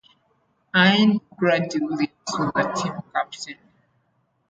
End Grady Williams was the team captain.